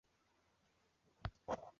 养父为欧普之狮乌兹米。